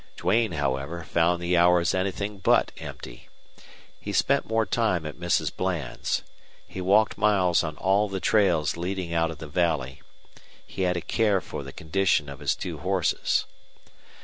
Duane, however, found the hours anything but empty. He spent more time at Mrs. Bland's; he walked miles on all the trails leading out of the valley; he had a care for the condition of his two horses.